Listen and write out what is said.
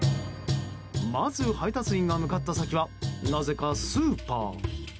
まず配達員が向かった先はなぜかスーパー。